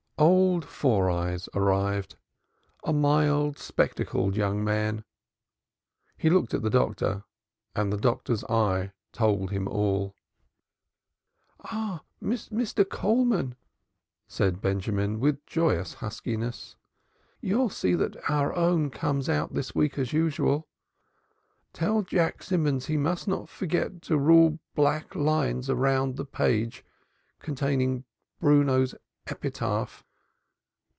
Old Four Eyes arrived a mild spectacled young man. He looked at the doctor, and the doctor's eye told him all. "Ah, Mr. Coleman," said Benjamin, with joyous huskiness, "you'll see that Our Own comes out this week as usual. Tell Jack Simmonds he must not forget to rule black lines around the page containing Bruno's epitaph.